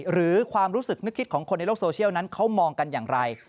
หรือความรู้สึกนึกคิดของคนในโลกโซเชียลนั้นเขามองกันอย่างไร